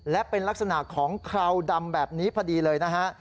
และเป็นลักษณะของคราวดำแบบนี้พอดีเลยนะฮะ